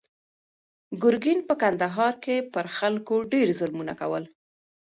ګرګین په کندهار کې پر خلکو ډېر ظلمونه کول.